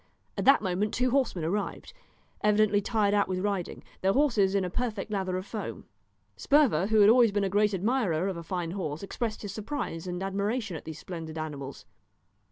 At that moment two horsemen arrived, evidently tired out with riding, their horses in a perfect lather of foam. Sperver, who had always been a great admirer of a fine horse, expressed his surprise and admiration at these splendid animals.